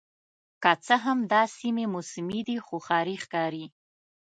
که څه هم دا سیمې موسمي دي خو ښاري ښکاري